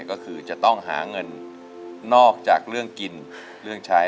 ก็คือจะต้องหาเงินนอกจากเรื่องกินเรื่องใช้